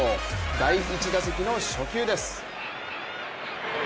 第１打席の初球です。